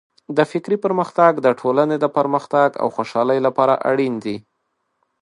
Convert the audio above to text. د فکري پرمختګ د ټولنې د پرمختګ او خوشحالۍ لپاره اړین دی.